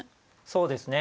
そうですね。